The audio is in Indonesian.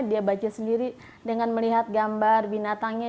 dia baca sendiri dengan melihat gambar binatangnya